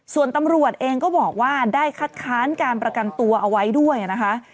ส่วนตำรวจเองก็บอกว่าได้คัดค้านการประกันตัวเอาไว้ด้วยนะคะ